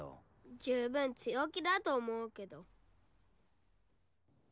十分強気だと思うけど。